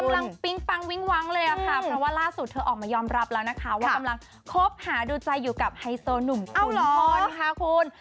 ปิ๊งปังวิ้งวังเลยค่ะเพราะว่าล่าสุดเธอออกมายอมรับแล้วนะคะว่ากำลังคบหาดูใจอยู่กับไฮโซหนุ่มเต้าละครค่ะคุณ